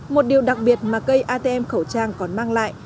một điều đặc biệt mà cây atm khẩu trang còn mang lại